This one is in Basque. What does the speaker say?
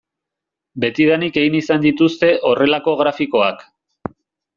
Betidanik egin izan dituzte horrelako grafikoak.